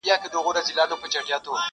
بې وخته مېلمه ئې د خپله بخته خوري.